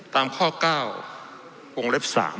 ตามข้อ๙วงเล็บ๓